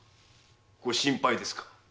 ご心配ですか？